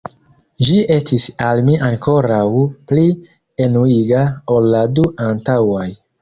Ĝi estis al mi ankoraŭ pli enuiga ol la du antaŭaj.